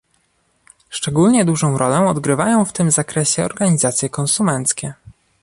Szczególnie dużą rolę odgrywają w tym zakresie organizacje konsumenckie